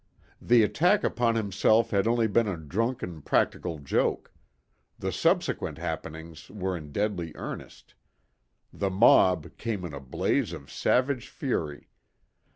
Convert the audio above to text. The attack upon himself had only been a drunken practical joke. The subsequent happenings were in deadly earnest. The mob came in a blaze of savage fury.